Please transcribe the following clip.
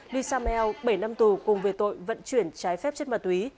lee samuel bảy năm tù cùng về tội vận chuyển trái phép chất ma túy